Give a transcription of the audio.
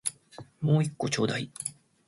もう一個ちょうだい